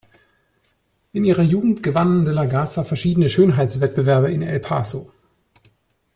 In ihrer Jugend gewann de la Garza verschiedene Schönheitswettbewerbe in El Paso.